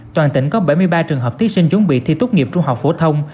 toàn tỉnh có bảy mươi ba trường hợp thí sinh chuẩn bị thi tốt nghiệp trung học phổ thông